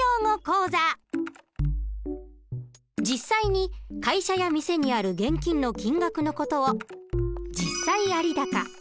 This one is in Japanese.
実際に会社や店にある現金の金額の事を実際有高。